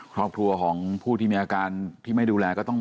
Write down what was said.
ครอบครัวของผู้ที่มีอาการที่ไม่ดูแลก็ต้อง